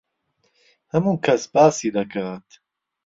هەموو کەس باسی دەکات.